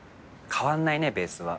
変わんないねベースは。